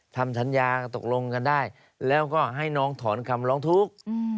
ทำสัญญาตกลงกันได้แล้วก็ให้น้องถอนคำร้องทุกข์